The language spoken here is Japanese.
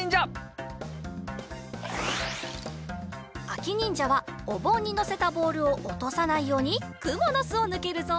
あきにんじゃはおぼんにのせたボールをおとさないようにくもの巣をぬけるぞ。